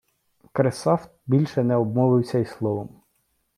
Кресафт більше не обмовився й словом.